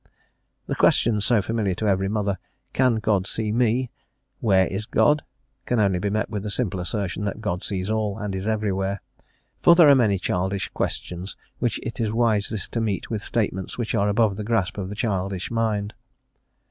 The questions, so familiar to every mother, "Can God see me?" "Where is God?" can only be met with the simple assertion that God sees all, and is everywhere. For there are many childish questions which it is wisest to meet with statements which are above the grasp of the childish mind.